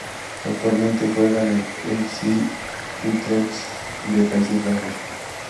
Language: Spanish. Actualmente juega en el F. C. Utrecht de Países Bajos.